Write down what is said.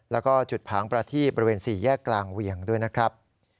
แล้วก็จุดผางประทีบบริเวณ๔แยกกลางเวียงด้วยนะครับ